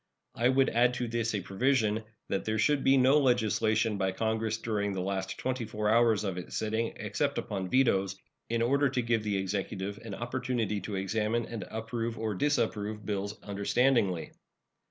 I would add to this a provision that there should be no legislation by Congress during the last twenty four hours of its sitting, except upon vetoes, in order to give the Executive an opportunity to examine and approve or disapprove bills understandingly.